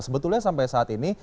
sebetulnya sampai saat ini